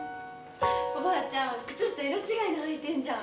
おばあちゃん、靴下色違いの履いてんじゃん！